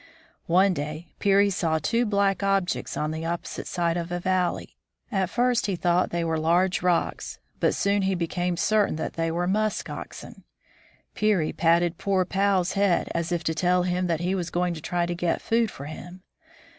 One day Peary saw two black objects on the opposite side of a valley. At first he thought they were large rocks, but soon he became certain that they were musk oxen. Peary patted poor Pau's head, as if to tell him that he was going to try to get food for him.